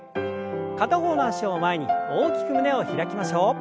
片方の脚を前に大きく胸を開きましょう。